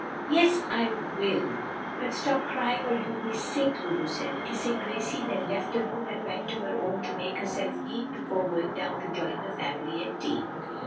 "Yes, I will; but stop crying or you'll be sick," Lulu said, kissing Gracie, then left the room and went to her own to make herself neat before going down to join the family at tea.